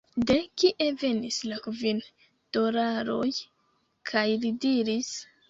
De kie venis la kvin dolaroj? kaj li diris: